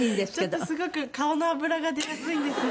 ちょっとすごく顔の脂が出やすいんです。